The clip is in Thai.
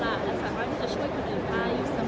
และสามารถที่จะช่วยคนอื่นได้เสมอ